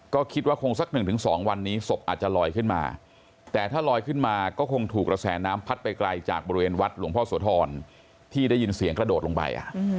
ก็คิดว่าคงสัก๑๒วันนี้ศพอาจจะลอยขึ้นมาแต่ถ้าลอยขึ้นมาก็คงถูกกระแสน้ำพัดไปไกลจากบริเวณวัดหลวงพ่อโสธรที่ได้ยินเสียงกระโดดลงไป